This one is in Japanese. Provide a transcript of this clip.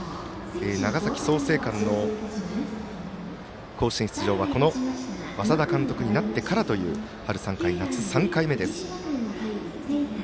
長崎の創成館の甲子園出場は稙田監督になってからという春３回、夏３回目です。